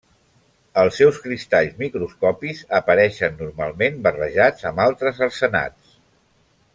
Els seus cristalls microscòpics apareixen normalment barrejats amb altres arsenats.